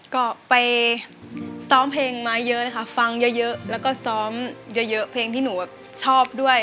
ก็ไปซ้อมเพลงมาเยอะนะคะฟังเยอะแล้วก็ซ้อมเยอะเพลงที่หนูแบบชอบด้วย